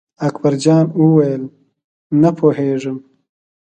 اکبر جان وویل: نه پوهېږم.